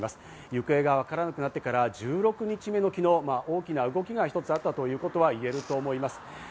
行方がわからなくなってから１６日目の昨日は大きな動きが一つあったということが言えると思います。